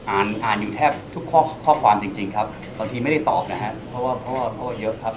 อ่านอยู่แทบทุกข้อความจริงครับบางทีไม่ได้ตอบนะครับเพราะว่าเยอะครับ